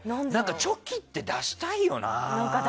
チョキって出したいよな。